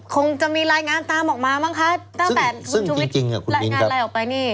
คงจะมีรายงานตามออกมามั้งคะซึ่งจริงจริงคุณมินครับรายงานอะไรออกไปนี่